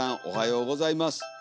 おはようございます。